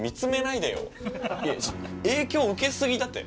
いや影響受け過ぎだって。